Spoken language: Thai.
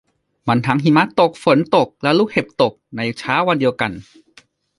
มันทั้งหิมะตกฝนตกแล้วลูกเห็บตกในเช้าวันเดียวกัน